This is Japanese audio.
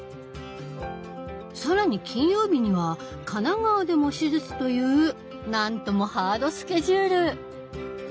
更に金曜日には神奈川でも手術というなんともハードスケジュール！